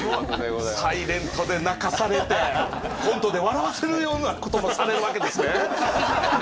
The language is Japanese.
「ｓｉｌｅｎｔ」で泣かされてコントで笑わせるようなこともされるわけですね。